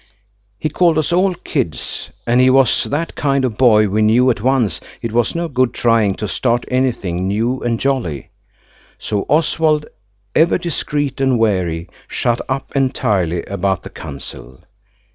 He called us all kids–and he was that kind of boy we knew at once it was no good trying to start anything new and jolly–so Oswald, ever discreet and wary, shut up entirely about the council.